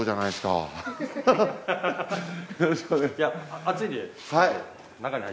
よろしくお願いします。